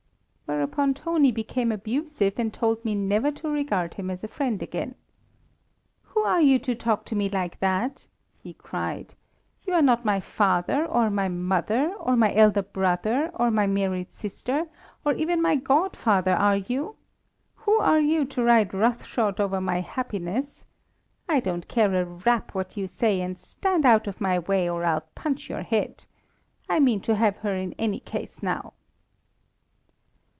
Whereupon Toni became abusive, and told me never to regard him as a friend again. "Who are you to talk to me like that?" he cried. "You are not my father, or my mother, or my elder brother, or my married sister, or even my godfather, are you? Who are you to ride roughshod over my happiness? I don't care a rap what you say, and stand out of my way, or I'll punch your head. I mean to have her in any case now."